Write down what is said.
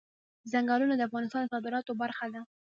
ځنګلونه د افغانستان د صادراتو برخه ده.